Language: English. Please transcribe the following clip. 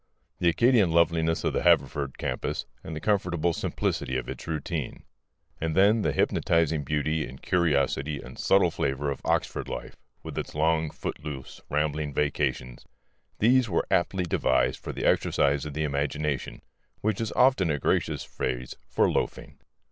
The Arcadian loveliness of the Haverford campus and the comfortable simplicity of its routine; and then the hypnotizing beauty and curiosity and subtle flavour of Oxford life (with its long, footloose, rambling vacations) these were aptly devised for the exercise of the imagination, which is often a gracious phrase for loafing.